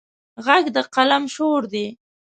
غږ د قلم شور دی